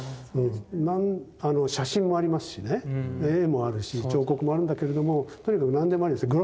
写真もありますしね絵もあるし彫刻もあるんだけれどもとにかく何でもありですよね。